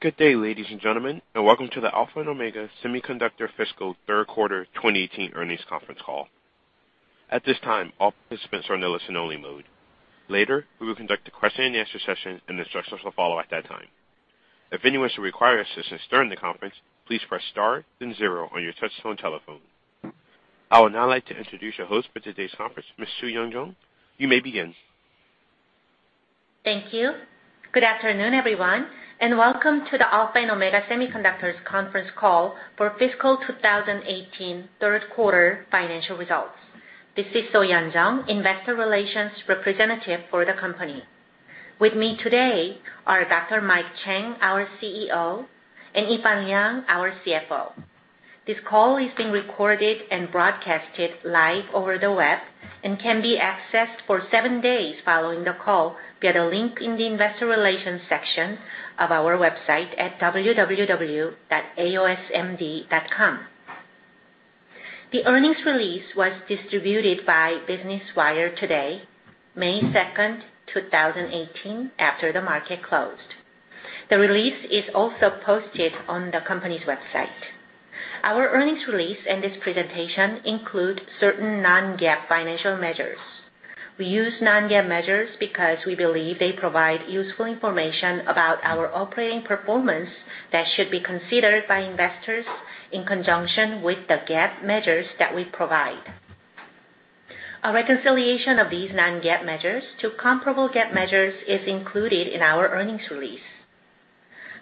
Good day, ladies and gentlemen, welcome to the Alpha and Omega Semiconductor fiscal third quarter 2018 earnings conference call. At this time, all participants are in listen only mode. Later, we will conduct a question and answer session, and instructions will follow at that time. If anyone should require assistance during the conference, please press star then zero on your touchtone telephone. I would now like to introduce your host for today's conference, Ms. So-Yeon Jeong. You may begin. Thank you. Good afternoon, everyone, welcome to the Alpha and Omega Semiconductor conference call for fiscal 2018 third quarter financial results. This is So-Yeon Jeong, investor relations representative for the company. With me today are Dr. Mike Chang, our CEO, and Yifan Liang, our CFO. This call is being recorded and broadcasted live over the web and can be accessed for seven days following the call via the link in the investor relations section of our website at www.aosmd.com. The earnings release was distributed by Business Wire today, May 2nd, 2018, after the market closed. The release is also posted on the company's website. Our earnings release and this presentation include certain non-GAAP financial measures. We use non-GAAP measures because we believe they provide useful information about our operating performance that should be considered by investors in conjunction with the GAAP measures that we provide. A reconciliation of these non-GAAP measures to comparable GAAP measures is included in our earnings release.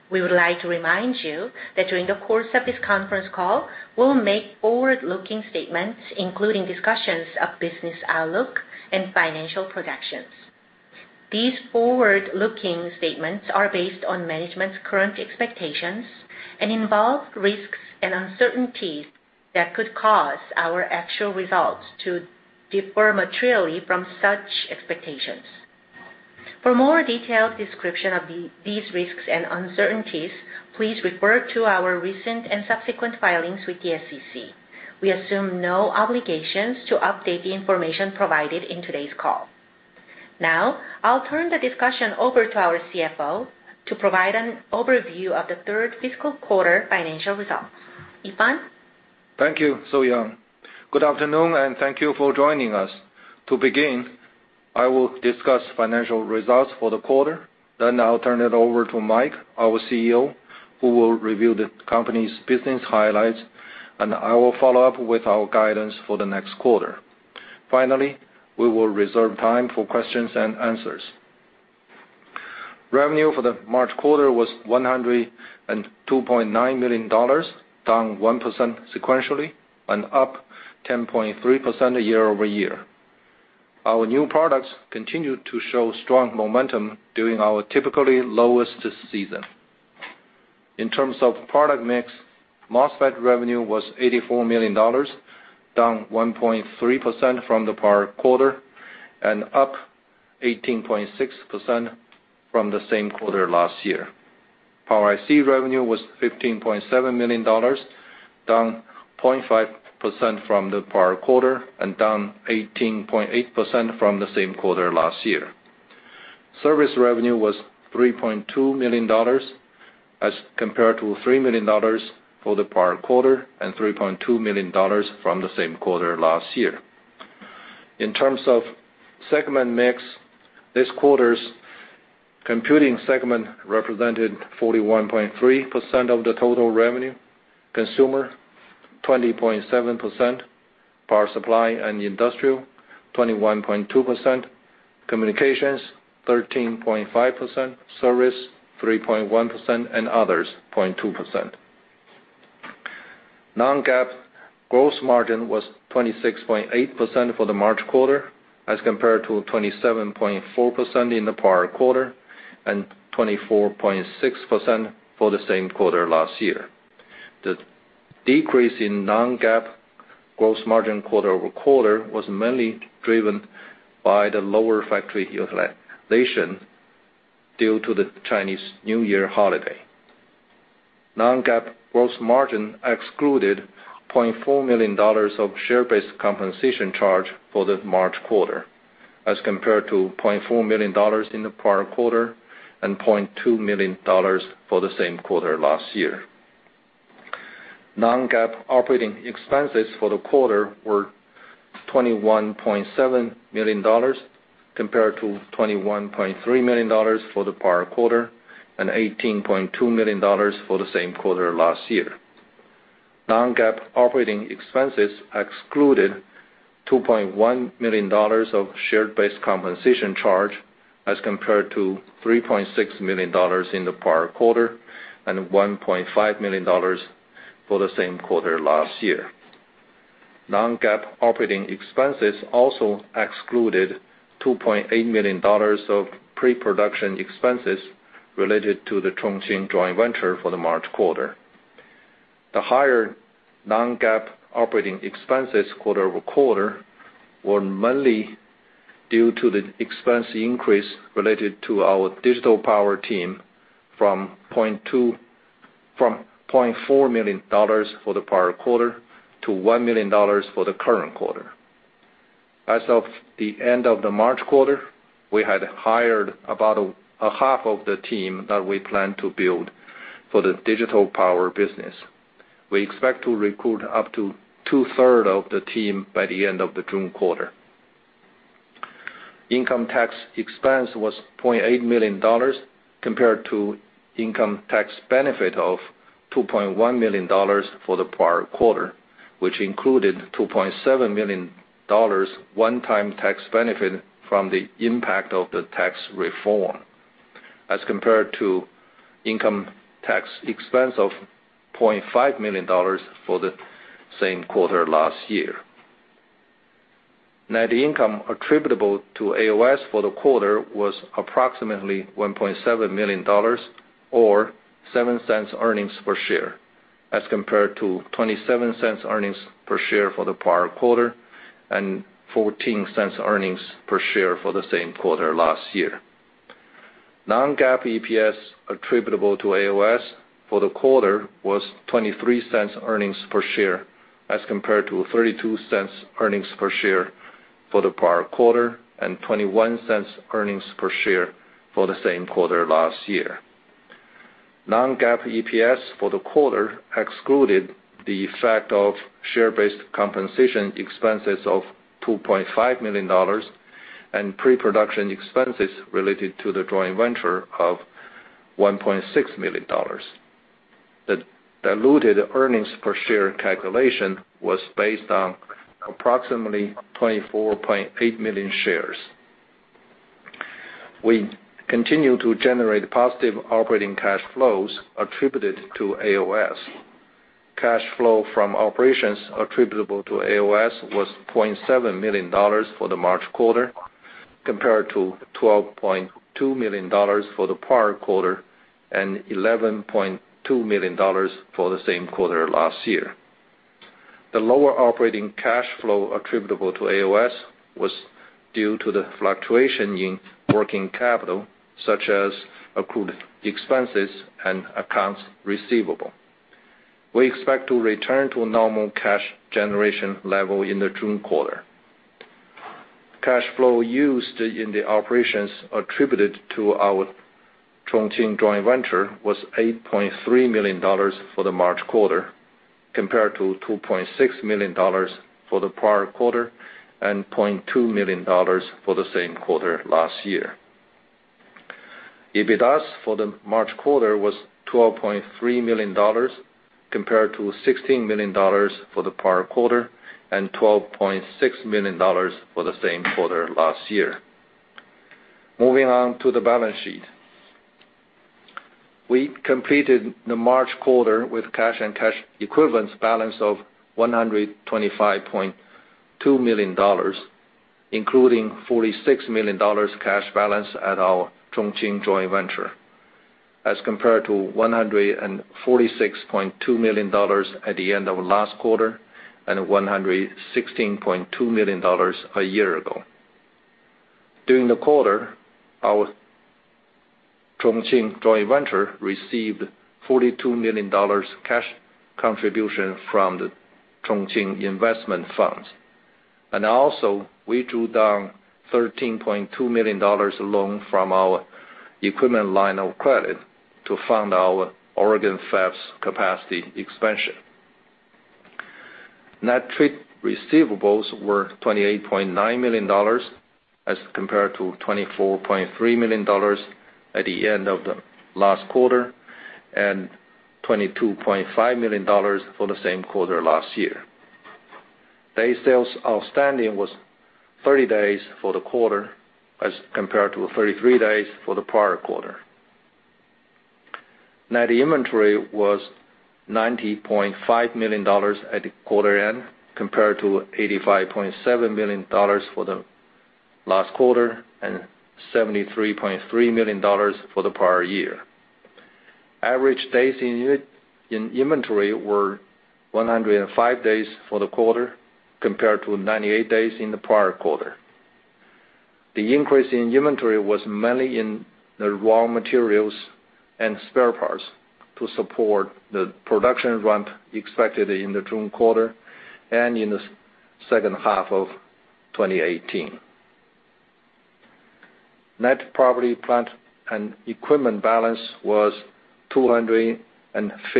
We would like to remind you that during the course of this conference call, we'll make forward-looking statements, including discussions of business outlook and financial projections. These forward-looking statements are based on management's current expectations and involve risks and uncertainties that could cause our actual results to differ materially from such expectations. For more detailed description of these risks and uncertainties, please refer to our recent and subsequent filings with the SEC. We assume no obligations to update the information provided in today's call. I'll turn the discussion over to our CFO to provide an overview of the third fiscal quarter financial results. Yifan? Thank you, So-Yeon. Good afternoon, thank you for joining us. To begin, I will discuss financial results for the quarter. I'll turn it over to Mike, our CEO, who will review the company's business highlights, I will follow up with our guidance for the next quarter. We will reserve time for questions and answers. Revenue for the March quarter was $102.9 million, down 1% sequentially and up 10.3% year-over-year. Our new products continued to show strong momentum during our typically lowest season. In terms of product mix, MOSFET revenue was $84 million, down 1.3% from the prior quarter and up 18.6% from the same quarter last year. Power IC revenue was $15.7 million, down 0.5% from the prior quarter and down 18.8% from the same quarter last year. Service revenue was $3.2 million as compared to $3 million for the prior quarter and $3.2 million from the same quarter last year. In terms of segment mix, this quarter's computing segment represented 41.3% of the total revenue. Consumer, 20.7%. Power supply and industrial, 21.2%. Communications, 13.5%. Service, 3.1%. Others, 0.2%. Non-GAAP gross margin was 26.8% for the March quarter as compared to 27.4% in the prior quarter and 24.6% for the same quarter last year. The decrease in non-GAAP gross margin quarter-over-quarter was mainly driven by the lower factory utilization due to the Chinese New Year holiday. Non-GAAP gross margin excluded $0.4 million of share-based compensation charge for the March quarter as compared to $0.4 million in the prior quarter and $0.2 million for the same quarter last year. Non-GAAP operating expenses for the quarter were $21.7 million compared to $21.3 million for the prior quarter and $18.2 million for the same quarter last year. Non-GAAP operating expenses excluded $2.1 million of share-based compensation charge as compared to $3.6 million in the prior quarter and $1.5 million for the same quarter last year. Non-GAAP operating expenses also excluded $2.8 million of pre-production expenses related to the Chongqing joint venture for the March quarter. The higher non-GAAP operating expenses quarter-over-quarter were mainly due to the expense increase related to our digital power team from $0.4 million for the prior quarter to $1 million for the current quarter. As of the end of the March quarter, we had hired about a half of the team that we plan to build for the digital power business. We expect to recruit up to two-thirds of the team by the end of the June quarter. Income tax expense was $28 million compared to income tax benefit of $2.1 million for the prior quarter, which included $2.7 million one-time tax benefit from the impact of the tax reform, as compared to income tax expense of $20.5 million for the same quarter last year. Net income attributable to AOS for the quarter was approximately $1.7 million, or $0.07 earnings per share, as compared to $0.27 earnings per share for the prior quarter and $0.14 earnings per share for the same quarter last year. Non-GAAP EPS attributable to AOS for the quarter was $0.23 earnings per share, as compared to $0.32 earnings per share for the prior quarter and $0.21 earnings per share for the same quarter last year. Non-GAAP EPS for the quarter excluded the effect of share-based compensation expenses of $2.5 million and pre-production expenses related to the joint venture of $1.6 million. The diluted earnings per share calculation was based on approximately 24.8 million shares. We continue to generate positive operating cash flows attributed to AOS. Cash flow from operations attributable to AOS was $20.7 million for the March quarter, compared to $12.2 million for the prior quarter and $11.2 million for the same quarter last year. The lower operating cash flow attributable to AOS was due to the fluctuation in working capital, such as accrued expenses and accounts receivable. We expect to return to a normal cash generation level in the June quarter. Cash flow used in the operations attributed to our Chongqing joint venture was $8.3 million for the March quarter, compared to $2.6 million for the prior quarter and $20.2 million for the same quarter last year. EBITDA for the March quarter was $12.3 million, compared to $16 million for the prior quarter and $12.6 million for the same quarter last year. Moving on to the balance sheet. We completed the March quarter with cash and cash equivalents balance of $125.2 million, including $46 million cash balance at our Chongqing joint venture, as compared to $146.2 million at the end of last quarter and $116.2 million a year ago. Also, we drew down $13.2 million loan from our equipment line of credit to fund our Oregon fabs capacity expansion. Net trade receivables were $28.9 million as compared to $24.3 million at the end of the last quarter and $22.5 million for the same quarter last year. Day sales outstanding was 30 days for the quarter as compared to 33 days for the prior quarter. Net inventory was $90.5 million at the quarter end, compared to $85.7 million for the last quarter and $73.3 million for the prior year. Average days in inventory were 105 days for the quarter, compared to 98 days in the prior quarter. The increase in inventory was mainly in the raw materials and spare parts to support the production ramp expected in the June quarter and in the second half of 2018. Net property, plant, and equipment balance was $258.8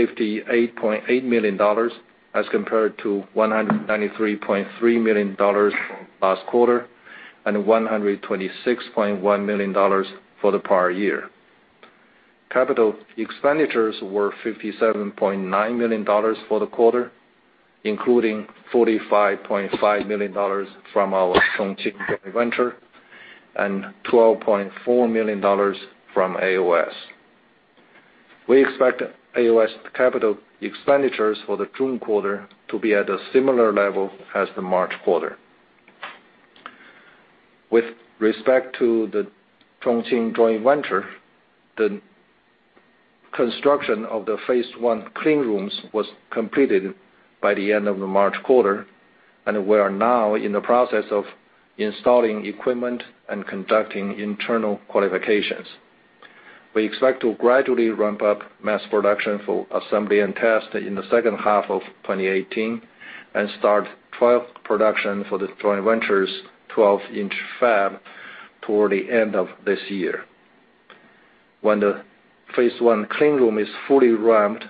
million as compared to $193.3 million last quarter and $126.1 million for the prior year. Capital expenditures were $57.9 million for the quarter, including $45.5 million from our Chongqing joint venture and $12.4 million from AOS. We expect AOS Capital expenditures for the June quarter to be at a similar level as the March quarter. With respect to the Chongqing joint venture, the construction of the phase 1 clean rooms was completed by the end of the March quarter, and we are now in the process of installing equipment and conducting internal qualifications. We expect to gradually ramp up mass production for assembly and test in the second half of 2018, and start trial production for the joint venture's 12-inch fab toward the end of this year. When the phase 1 clean room is fully ramped,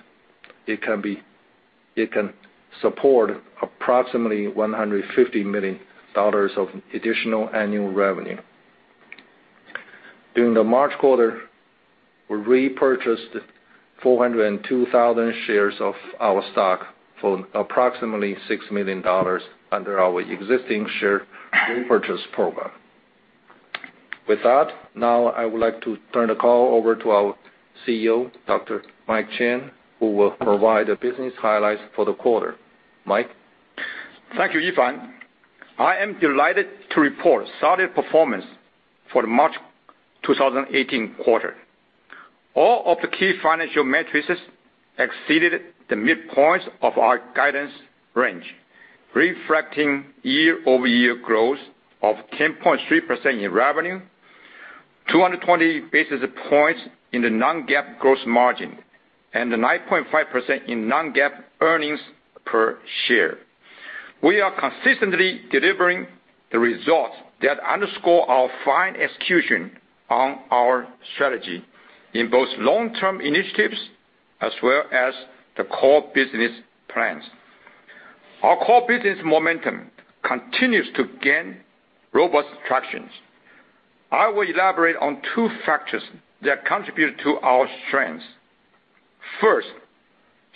it can support approximately $150 million of additional annual revenue. During the March quarter, we repurchased 402,000 shares of our stock for approximately $6 million under our existing share repurchase program. With that, now I would like to turn the call over to our CEO, Dr. Mike Chang, who will provide the business highlights for the quarter. Mike? Thank you, Yifan. I am delighted to report solid performance for the March 2018 quarter. All of the key financial metrics exceeded the midpoints of our guidance range, reflecting year-over-year growth of 10.3% in revenue, 220 basis points in the non-GAAP gross margin, and 9.5% in non-GAAP earnings per share. We are consistently delivering the results that underscore our fine execution on our strategy in both long-term initiatives as well as the core business plans. Our core business momentum continues to gain robust traction. I will elaborate on two factors that contribute to our strengths. First,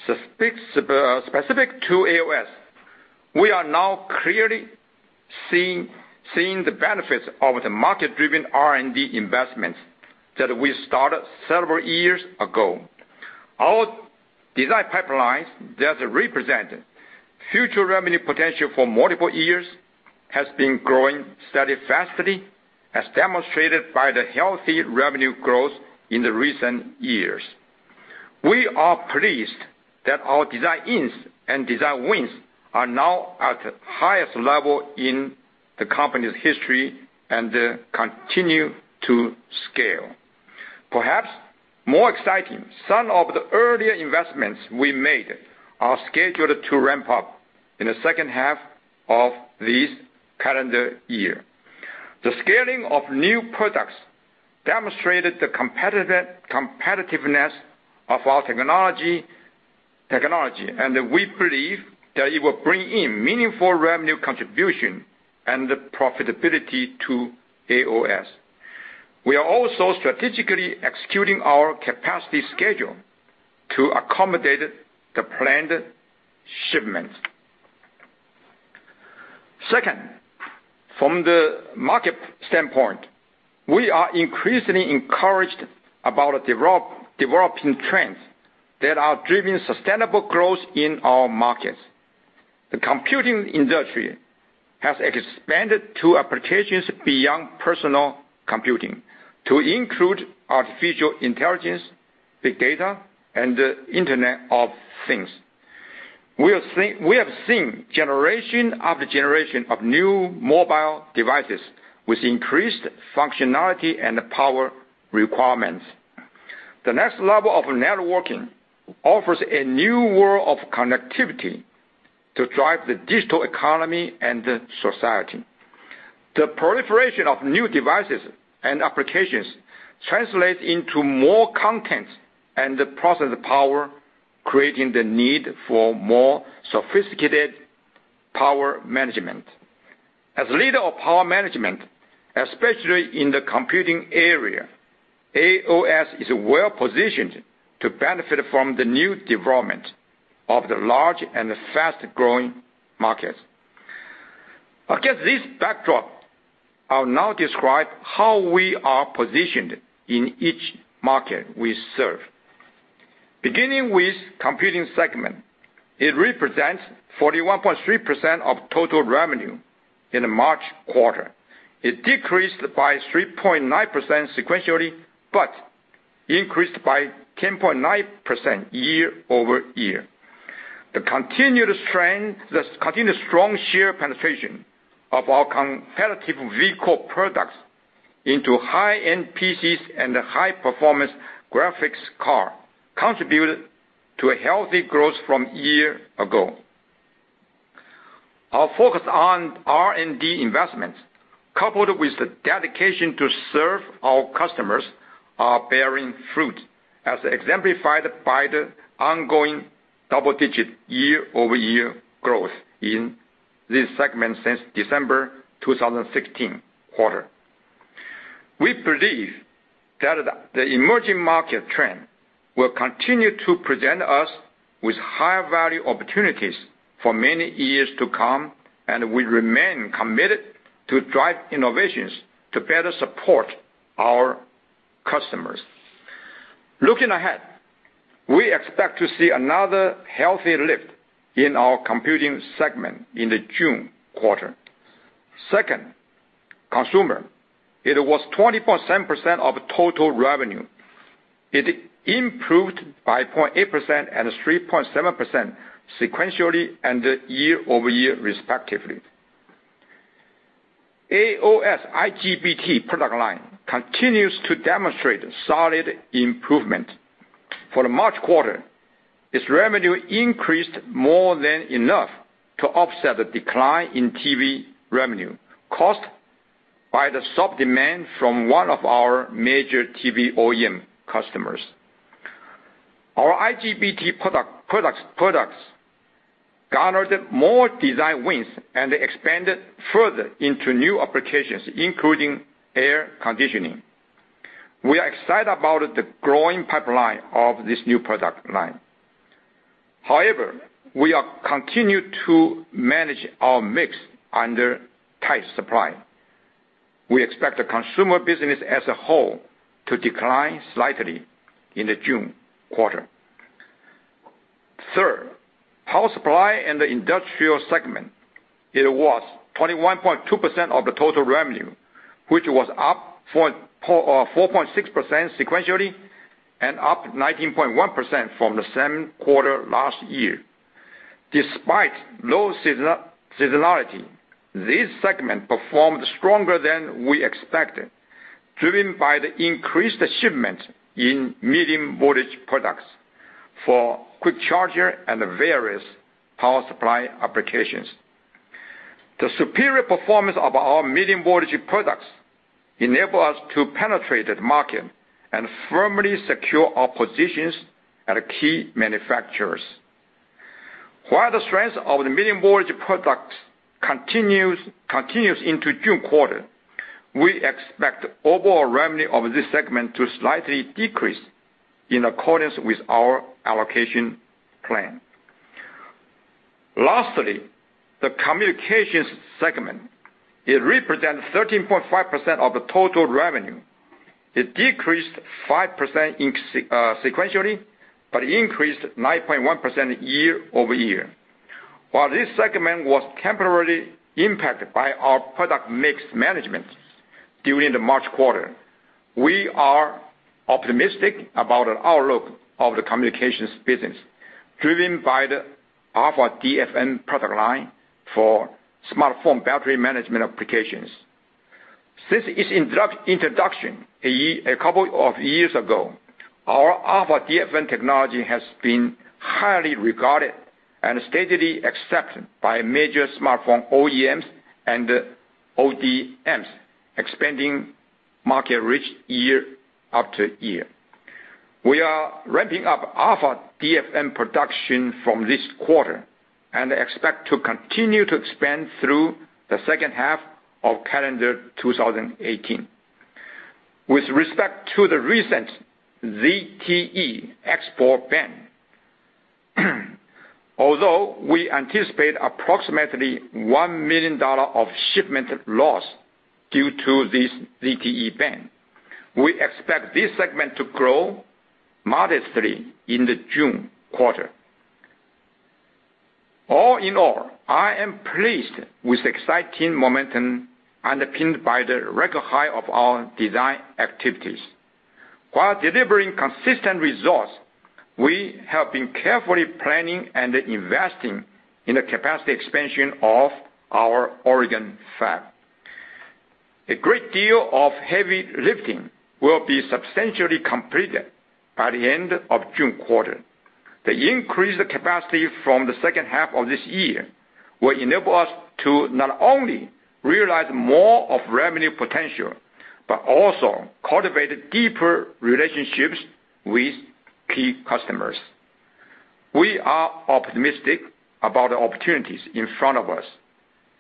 specific to AOS, we are now clearly seeing the benefits of the market-driven R&D investments that we started several years ago. Our design pipelines that represent future revenue potential for multiple years has been growing steadfastly, as demonstrated by the healthy revenue growth in the recent years. We are pleased that our design-ins and design wins are now at the highest level in the company's history and continue to scale. Perhaps more exciting, some of the earlier investments we made are scheduled to ramp up in the second half of this calendar year. The scaling of new products demonstrated the competitiveness of our technology, and we believe that it will bring in meaningful revenue contribution and profitability to AOS. We are also strategically executing our capacity schedule to accommodate the planned shipments. Second, from the market standpoint, we are increasingly encouraged about developing trends that are driving sustainable growth in our markets. The computing industry has expanded to applications beyond personal computing to include artificial intelligence, big data, and Internet of Things. We have seen generation after generation of new mobile devices with increased functionality and power requirements. The next level of networking offers a new world of connectivity to drive the digital economy and society. The proliferation of new devices and applications translates into more content and process power, creating the need for more sophisticated power management. As leader of power management, especially in the computing area, AOS is well-positioned to benefit from the new development of the large and fast-growing markets. Against this backdrop, I will now describe how we are positioned in each market we serve. Beginning with computing segment, it represents 41.3% of total revenue in the March quarter. It decreased by 3.9% sequentially, but increased by 10.9% year-over-year. The continued strong share penetration of our competitive Vcore products into high-end PCs and high-performance graphics card contributed to a healthy growth from year ago. Our focus on R&D investments, coupled with the dedication to serve our customers, are bearing fruit, as exemplified by the ongoing double-digit year-over-year growth in this segment since December 2016 quarter. We believe that the emerging market trend will continue to present us with high-value opportunities for many years to come, and we remain committed to drive innovations to better support our customers. Looking ahead, we expect to see another healthy lift in our computing segment in the June quarter. Second, consumer. It was 20.7% of total revenue. It improved by 0.8% and 3.7% sequentially and year-over-year, respectively. AOS IGBT product line continues to demonstrate solid improvement. For the March quarter, its revenue increased more than enough to offset the decline in TV revenue caused by the soft demand from one of our major TV OEM customers. Our IGBT products garnered more design wins and expanded further into new applications, including air conditioning. We are excited about the growing pipeline of this new product line. We are continued to manage our mix under tight supply. We expect the consumer business as a whole to decline slightly in the June quarter. Third, power supply in the industrial segment, it was 21.2% of the total revenue, which was up 4.6% sequentially and up 19.1% from the same quarter last year. Despite low seasonality, this segment performed stronger than we expected, driven by the increased shipment in medium voltage products for quick charger and various power supply applications. The superior performance of our medium voltage products enable us to penetrate the market and firmly secure our positions at key manufacturers. The strength of the medium voltage products continues into June quarter, we expect overall revenue of this segment to slightly decrease in accordance with our allocation plan. Lastly, the communications segment. It represents 13.5% of the total revenue. It decreased 5% sequentially, but increased 9.1% year-over-year. This segment was temporarily impacted by our product mix management during the March quarter, we are optimistic about the outlook of the communications business, driven by the AlphaDFN product line for smartphone battery management applications. Since its introduction a couple of years ago, our AlphaDFN technology has been highly regarded and steadily accepted by major smartphone OEMs and ODMs, expanding market reach year after year. We are ramping up AlphaDFN production from this quarter and expect to continue to expand through the second half of calendar 2018. With respect to the recent ZTE export ban, although we anticipate approximately $1 million of shipment loss due to this ZTE ban, we expect this segment to grow modestly in the June quarter. All in all, I am pleased with the exciting momentum underpinned by the record high of our design activities. Delivering consistent results, we have been carefully planning and investing in the capacity expansion of our Oregon fab. A great deal of heavy lifting will be substantially completed by the end of June quarter. The increased capacity from the second half of this year will enable us to not only realize more of revenue potential, but also cultivate deeper relationships with key customers. We are optimistic about the opportunities in front of us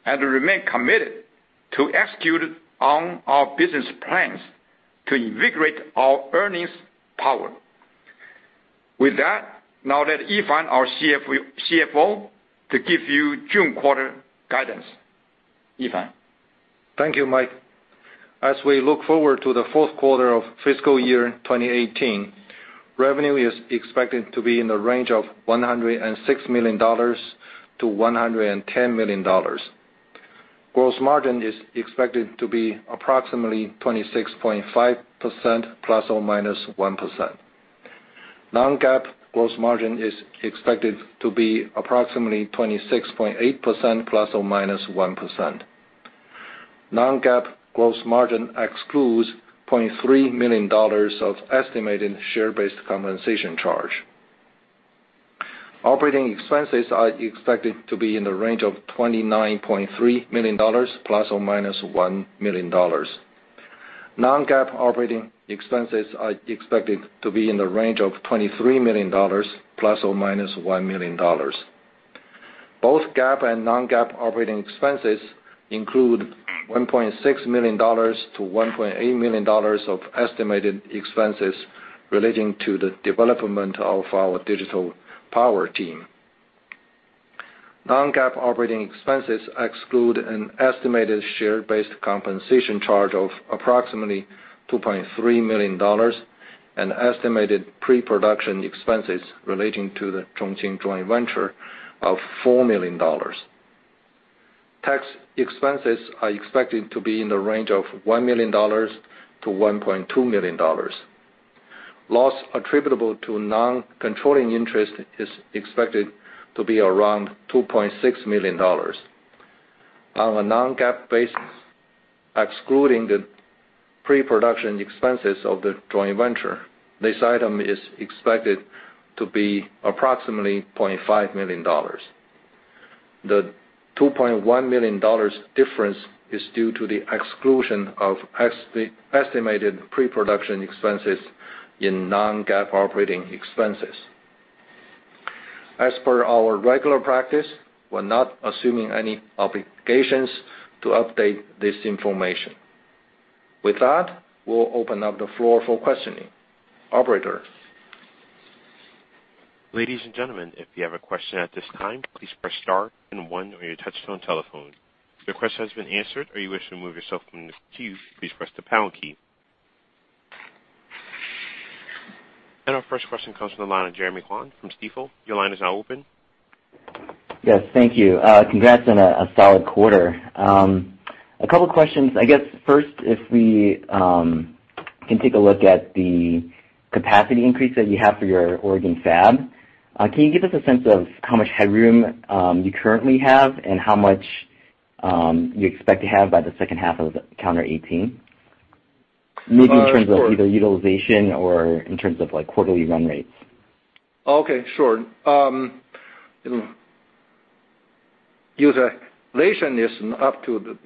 and remain committed to execute on our business plans to invigorate our earnings power. With that, now let Yifan, our CFO, to give you June quarter guidance. Yifan. Thank you, Mike. As we look forward to the fourth quarter of fiscal year 2018, revenue is expected to be in the range of $106 million to $110 million. Gross margin is expected to be approximately 26.5% ±1%. Non-GAAP gross margin is expected to be approximately 26.8% ±1%. Non-GAAP gross margin excludes $0.3 million of estimated share-based compensation charge. Operating expenses are expected to be in the range of $29.3 million ±$1 million. Non-GAAP operating expenses are expected to be in the range of $23 million ±$1 million. Both GAAP and non-GAAP operating expenses include $1.6 million to $1.8 million of estimated expenses relating to the development of our digital power team. Non-GAAP operating expenses exclude an estimated share-based compensation charge of approximately $2.3 million and estimated pre-production expenses relating to the Chongqing joint venture of $4 million. Tax expenses are expected to be in the range of $1 million to $1.2 million. Loss attributable to non-controlling interest is expected to be around $2.6 million. On a non-GAAP basis, excluding the pre-production expenses of the joint venture, this item is expected to be approximately $0.5 million. The $2.1 million difference is due to the exclusion of estimated pre-production expenses in non-GAAP operating expenses. As per our regular practice, we're not assuming any obligations to update this information. We'll open up the floor for questioning. Operator? Ladies and gentlemen, if you have a question at this time, please press star one on your touchtone telephone. If your question has been answered, or you wish to remove yourself from the queue, please press the pound key. Our first question comes from the line of Jeremy Kwan from Stifel. Your line is now open. Yes, thank you. Congrats on a solid quarter. A couple questions. I guess first, if we can take a look at the capacity increase that you have for your Oregon fab. Can you give us a sense of how much headroom you currently have, and how much you expect to have by the second half of calendar 2018? Sure. Maybe in terms of either utilization or in terms of quarterly run rates. Okay, sure. Utilization is up to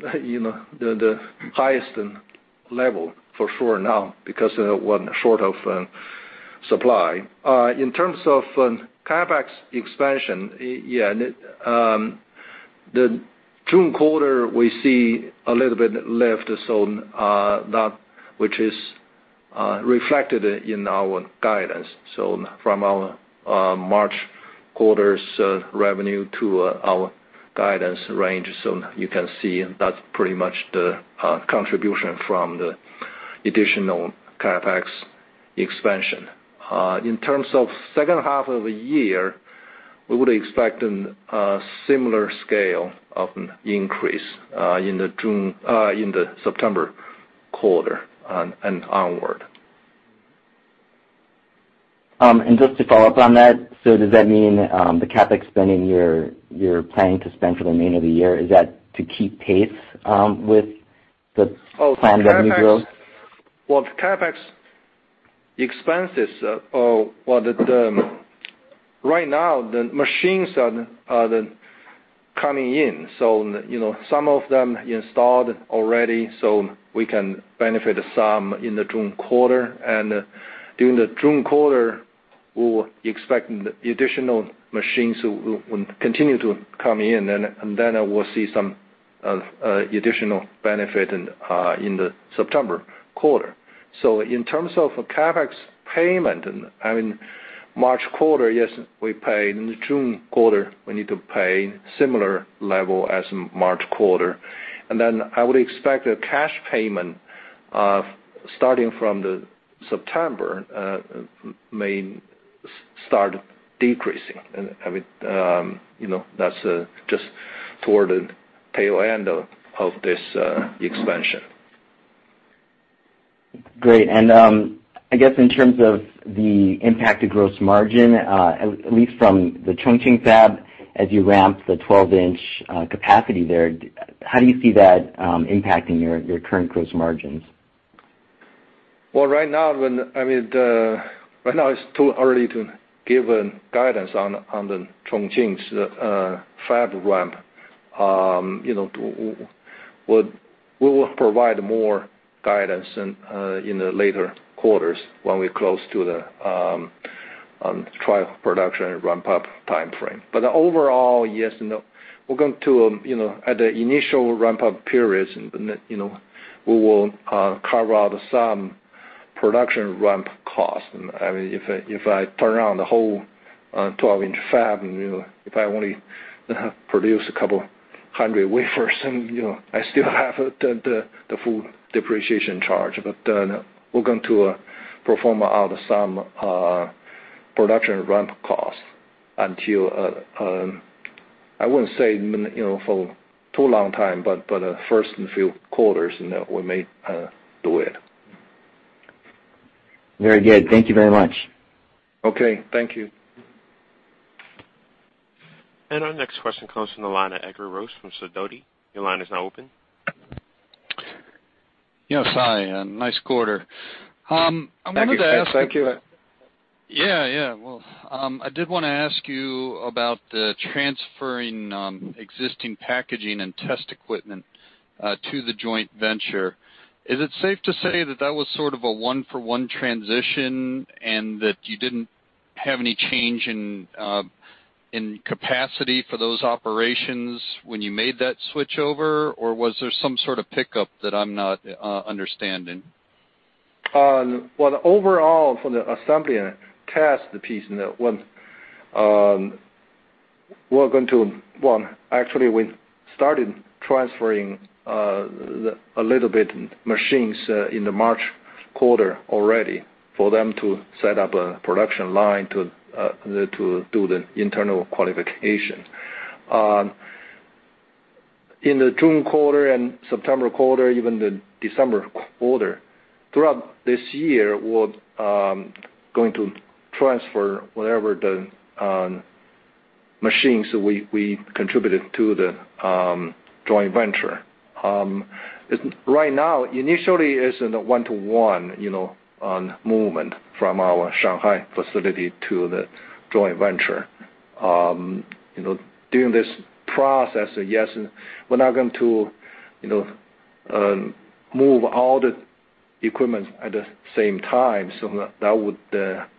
the highest level for sure now, because we weren't short of supply. In terms of CapEx expansion, yeah, the June quarter, we see a little bit lift, which is reflected in our guidance. From our March quarter's revenue to our guidance range. You can see that's pretty much the contribution from the additional CapEx expansion. In terms of second half of the year, we would expect a similar scale of increase in the September quarter and onward. Just to follow up on that, does that mean the CapEx spending you're planning to spend for the remainder of the year, is that to keep pace with the planned revenue growth? Well, the CapEx expenses, right now the machines are coming in. Some of them installed already, so we can benefit some in the June quarter. During the June quarter, we'll expect the additional machines will continue to come in, we'll see some additional benefit in the September quarter. In terms of CapEx payment, I mean, March quarter, yes, we paid. In the June quarter, we need to pay similar level as March quarter. I would expect a cash payment, starting from the September may start decreasing. I mean, that's just toward the tail end of this expansion. Great. I guess in terms of the impact to gross margin, at least from the Chongqing fab, as you ramp the 12-inch capacity there, how do you see that impacting your current gross margins? Well, right now it's too early to give guidance on the Chongqing fab ramp. We will provide more guidance in the later quarters when we're close to the trial production ramp-up timeframe. Overall, yes, at the initial ramp-up periods, we will carve out some production ramp costs. I mean, if I turn on the whole 12-inch fab, and if I only produce a couple hundred wafers, I still have the full depreciation charge. We're going to perform out some production ramp costs until, I wouldn't say for too long time, but the first few quarters, we may do it. Very good. Thank you very much. Okay, thank you. Our next question comes from the line of Edgar Rose from Sidoti. Your line is now open. Yes, hi, nice quarter. Thank you. Yeah. Well, I did want to ask you about the transferring existing packaging and test equipment to the joint venture. Is it safe to say that that was sort of a one for one transition, and that you didn't have any change in capacity for those operations when you made that switchover? Or was there some sort of pickup that I'm not understanding? Well, overall, for the assembly and test piece, actually we started transferring a little bit machines in the March quarter already for them to set up a production line to do the internal qualification. In the June quarter and September quarter, even the December quarter, throughout this year, we're going to transfer whatever the machines we contributed to the joint venture. Right now, initially, it's in a one-to-one movement from our Shanghai facility to the joint venture. During this process, yes, we're not going to move all the equipment at the same time, so that would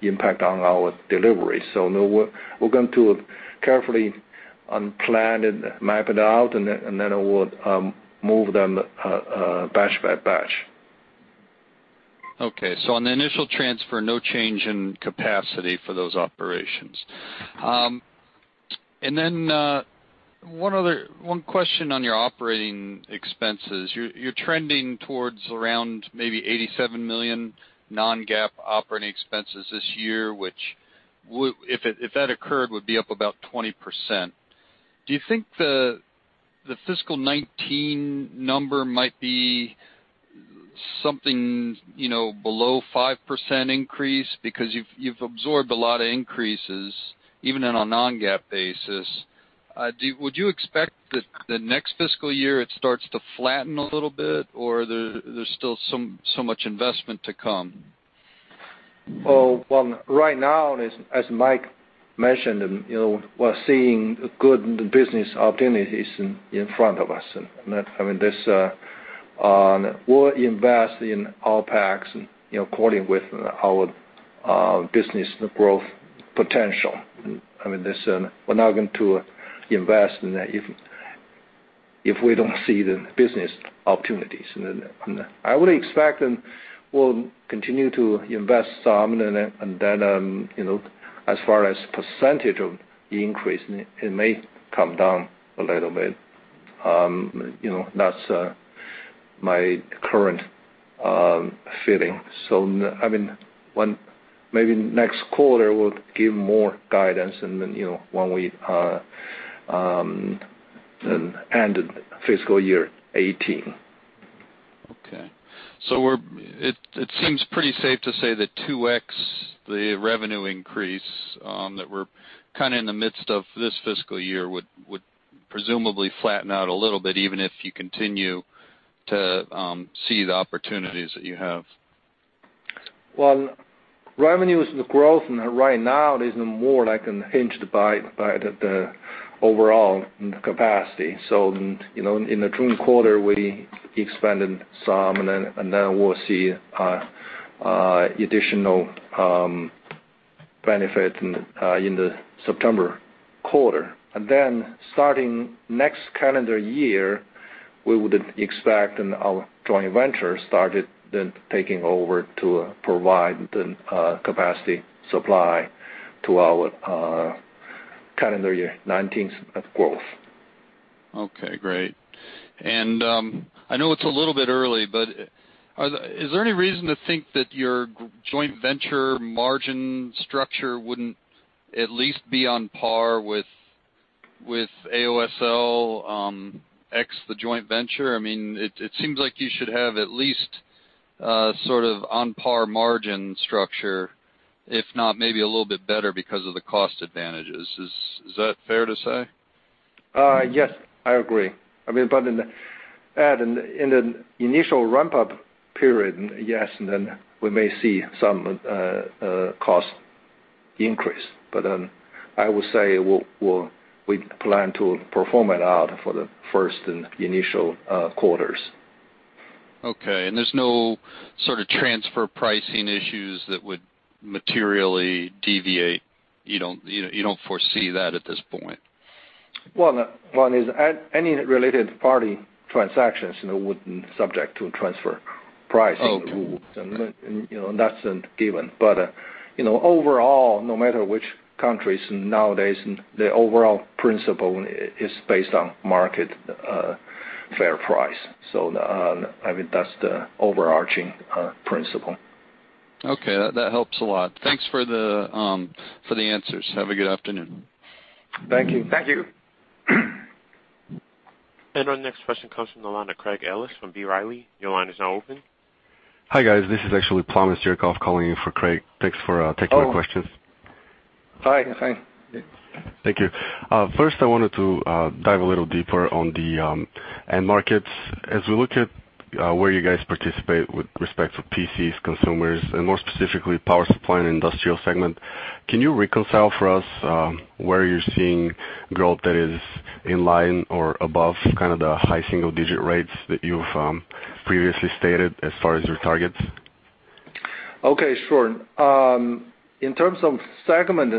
impact on our delivery. No, we're going to carefully plan and map it out, and then we'll move them batch by batch. Okay. On the initial transfer, no change in capacity for those operations. One question on your operating expenses. You're trending towards around maybe $87 million non-GAAP operating expenses this year, which, if that occurred, would be up about 20%. Do you think the fiscal 2019 number might be something below 5% increase? Because you've absorbed a lot of increases, even in a non-GAAP basis. Would you expect that the next fiscal year, it starts to flatten a little bit, or there's still so much investment to come? Well, right now, as Mike mentioned, we're seeing good business opportunities in front of us. We'll invest in OPEX according with our business growth potential. We're not going to invest if we don't see the business opportunities. I would expect we'll continue to invest some, and then as far as percentage of the increase, it may come down a little bit. That's my current feeling. Maybe next quarter we'll give more guidance when we ended fiscal year 2018. Okay. It seems pretty safe to say that 2X the revenue increase that we're kind of in the midst of this fiscal year would presumably flatten out a little bit, even if you continue to see the opportunities that you have. Revenue growth right now is more hinged by the overall capacity. In the June quarter, we expanded some, we'll see additional benefit in the September quarter. Starting next calendar year, we would expect our joint venture started then taking over to provide the capacity supply to our calendar year 2019 growth. Okay, great. I know it's a little bit early, but is there any reason to think that your joint venture margin structure wouldn't at least be on par with AOSL ex the joint venture? It seems like you should have at least a sort of on-par margin structure, if not maybe a little bit better because of the cost advantages. Is that fair to say? Yes, I agree. In the initial ramp-up period, yes, we may see some cost increase. I would say we plan to perform it out for the first initial quarters. Okay, there's no sort of transfer pricing issues that would materially deviate? You don't foresee that at this point? Well, any related party transactions wouldn't subject to transfer pricing rules. Okay. That's a given. Overall, no matter which countries, nowadays, the overall principle is based on market fair price. That's the overarching principle. Okay, that helps a lot. Thanks for the answers. Have a good afternoon. Thank you. Thank you. Our next question comes from the line of Craig Ellis from B. Riley. Your line is now open. Hi, guys. This is actually Plamen Zarkov calling in for Craig. Thanks for taking my questions. Hi, Plamen. Thank you. First, I wanted to dive a little deeper on the end markets. As we look at where you guys participate with respect to PCs, consumers, and more specifically, power supply and industrial segment, can you reconcile for us where you're seeing growth that is in line or above kind of the high single-digit rates that you've previously stated as far as your targets? Okay, sure. In terms of segment,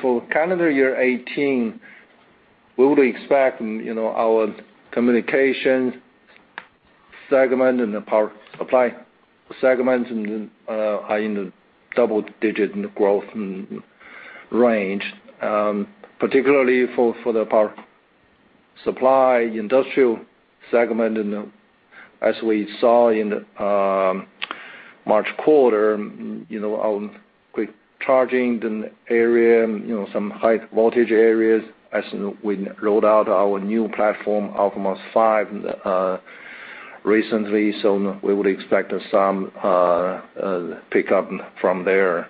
for calendar year 2018, we would expect our communication segment and the power supply segments are in the double-digit growth range. Particularly for the power supply industrial segment, as we saw in March quarter, our quick charging area, some high voltage areas as we rolled out our new platform, Ultimus V, recently. We would expect some pickup from there,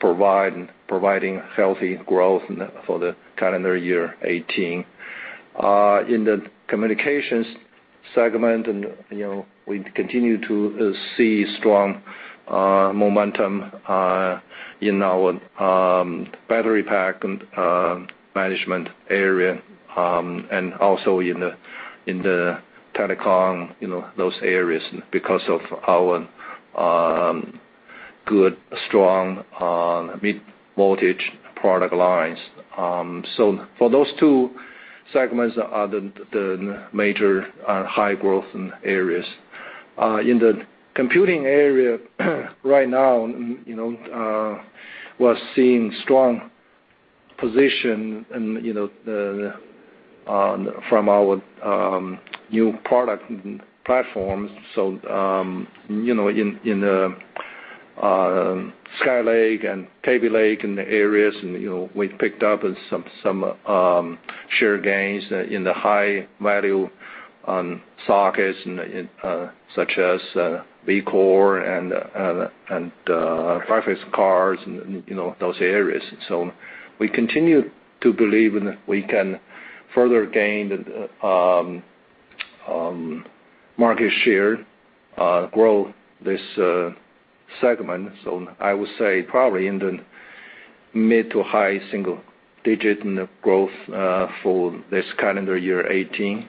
providing healthy growth for the calendar year 2018. In the communications segment, we continue to see strong momentum in our battery pack management area, and also in the telecom, those areas, because of our good, strong mid-voltage product lines. For those two segments are the major high growth areas. In the computing area right now, we're seeing strong position from our new product platforms. In the Skylake and Coffee Lake areas, we've picked up some share gains in the high-value sockets, such as Vcore and graphics cards, those areas. We continue to believe we can further gain market share, grow this segment. I would say probably in the mid to high single digit in the growth for this calendar year 2018.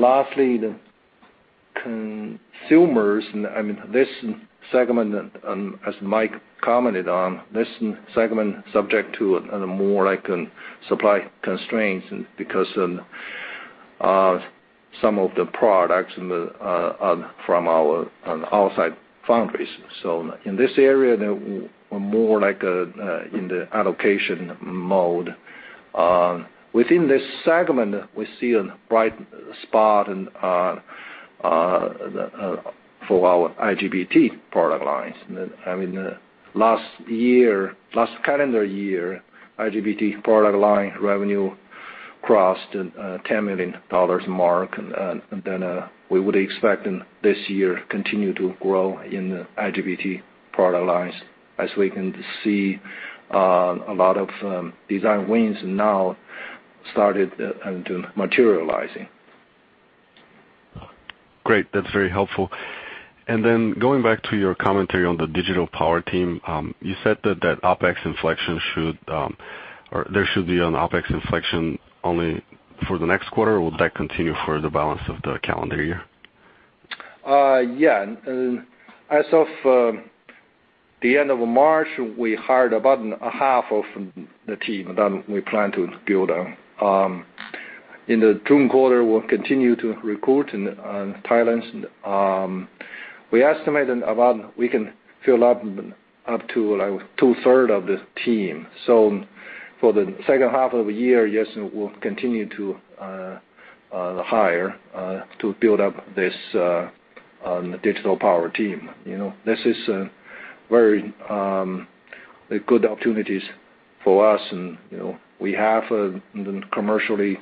Lastly, the consumers, this segment, as Mike commented on, this segment subject to more supply constraints because of some of the products from our outside foundries. In this area, they're more in the allocation mode. Within this segment, we see a bright spot for our IGBT product lines. Last calendar year, IGBT product line revenue crossed the $10 million mark, we would expect this year continue to grow in the IGBT product lines, as we can see a lot of design wins now started materializing. That's very helpful. Going back to your commentary on the digital power team, you said that there should be an OpEx inflection only for the next quarter, or will that continue for the balance of the calendar year? As of the end of March, we hired about half of the team than we plan to build. In the June quarter, we'll continue to recruit in Thailand. We estimate we can fill up to two-third of the team. For the second half of the year, yes, we'll continue to hire to build up this digital power team. This is very good opportunities for us and we have the commercially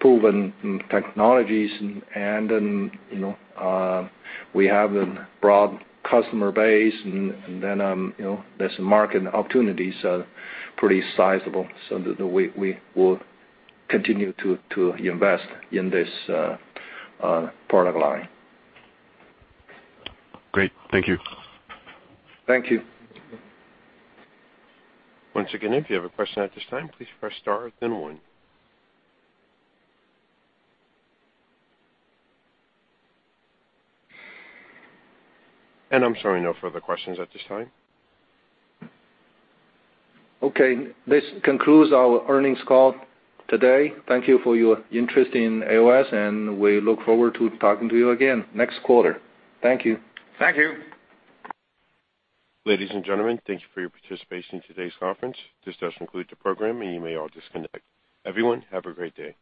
proven technologies and we have a broad customer base. This market opportunities are pretty sizable. We will continue to invest in this product line. Great. Thank you. Thank you. Once again, if you have a question at this time, please press star then one. I'm showing no further questions at this time. Okay. This concludes our earnings call today. Thank you for your interest in AOS, and we look forward to talking to you again next quarter. Thank you. Thank you. Ladies and gentlemen, thank you for your participation in today's conference. This does conclude the program, and you may all disconnect. Everyone, have a great day.